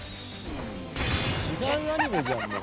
違うアニメじゃんもう。